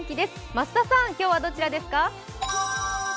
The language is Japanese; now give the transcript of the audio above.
増田さん、今日はどちらですか？